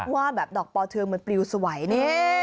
ว่าดอกป่อเทืองเหมือนปริวสวัยนี่